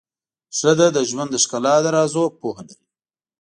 ښځه د ژوند د ښکلا د رازونو پوهه لري.